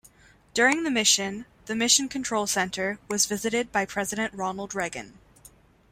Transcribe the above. During the mission, the Mission Control Center was visited by President Ronald Reagan.